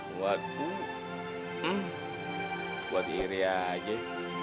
buatku hmm buat iria aja